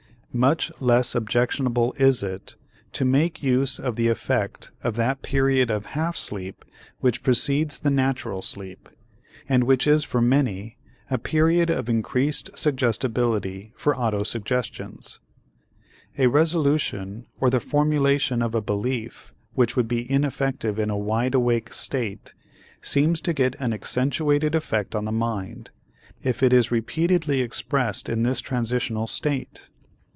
Much less objectionable is it to make use of the effect of that period of half sleep which precedes the natural sleep, and which is for many a period of increased suggestibility for autosuggestions. A resolution or the formulation of a belief which would be ineffective in a wide awake state seems to get an accentuated effect on the mind, if it is repeatedly expressed in this transitional state.